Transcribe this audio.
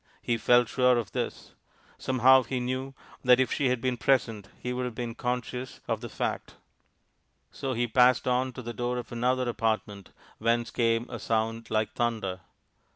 He felt sure of this. Somehow he knew that if she had been present he would have been conscious of the fact. So he passed on to the door of another apartment whence came a sound like thunder.